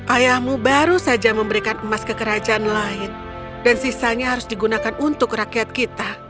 ayahmu baru saja memberikan emas ke kerajaan lain dan sisanya harus digunakan untuk rakyat kita